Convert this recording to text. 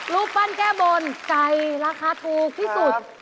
รูปปั้นแก้บนไก่ราคาถูกที่สุด